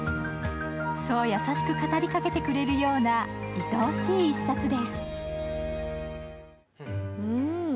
そう優しく語りかけてくれるようないとおしい一冊です。